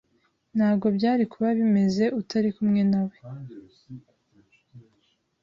Ntabwo byari kuba bimeze utari kumwe nawe.